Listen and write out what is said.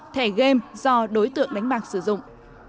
thẻ game do đối tượng đánh bạc sử dụng